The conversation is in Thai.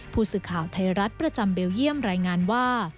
ผู้สื่อข่าวไทยรัฐประจำเบลเยี่ยมรายงานว่า